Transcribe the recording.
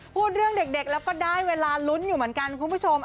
พูดเรื่องเด็กแล้วก็ได้เวลาลุ้นอยู่เหมือนกันคุณผู้ชม